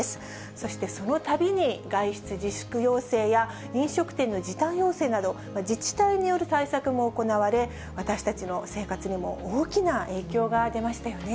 そしてそのたびに、外出自粛要請や、飲食店の時短要請など、自治体による対策も行われ、私たちの生活でも大きな影響が出ましたよね。